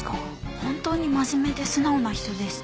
本当に真面目で素直な人でした。